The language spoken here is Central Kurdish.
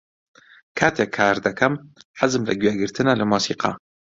کاتێک کار دەکەم، حەزم لە گوێگرتنە لە مۆسیقا.